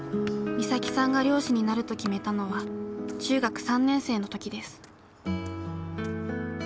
岬さんが漁師になると決めたのは中学３年生の時です。